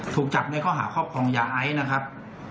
ถูกจับในข้อหาครอบครองยาไอซ์นะครับ